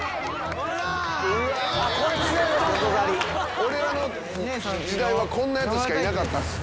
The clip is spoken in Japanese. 俺らの時代はこんなヤツしかいなかったっす。